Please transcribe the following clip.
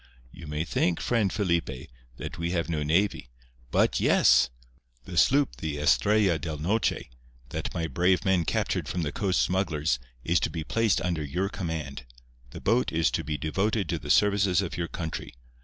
You may think, friend Felipe, that we have no navy—but yes! The sloop the Estrella del Noche, that my brave men captured from the coast smugglers, is to be placed under your command. The boat is to be devoted to the services of your country.